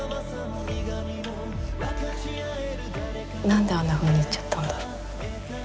なんであんなふうに言っちゃったんだろう。